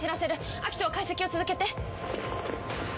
アキトは解析を続けて！